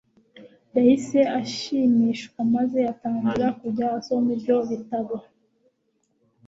yahise ashimishwa maze atangira kujya asoma ibyo bitabo